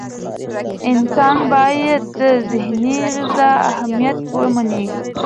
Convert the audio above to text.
انسان باید د ذهني غذا اهمیت ومني.